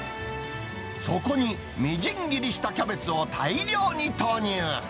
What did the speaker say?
そこに、みじん切りしたキャベツを大量に投入。